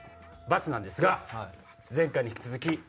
罰なんですが前回に引き続き。